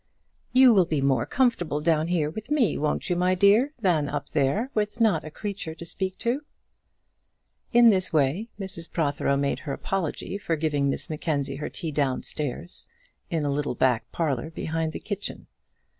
"You will be more comfortable down here with me, won't you, my dear, than up there, with not a creature to speak to?" In this way Mrs Protheroe made her apology for giving Miss Mackenzie her tea downstairs, in a little back parlour behind the kitchen.